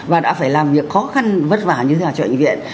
và đã phải làm việc khó khăn vất vả như thế nào cho bệnh viện